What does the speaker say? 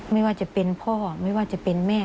ไม่ว่าจะเป็นพ่อไม่ว่าจะเป็นแม่